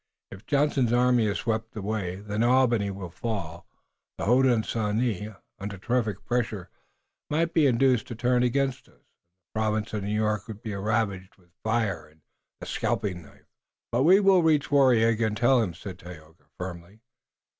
If Johnson's army is swept away, then Albany will fall, the Hodenosaunee, under terrific pressure, might be induced to turn against us, and the Province of New York would be ravaged with fire and the scalping knife." "But we will reach Waraiyageh and tell him," said Tayoga, firmly.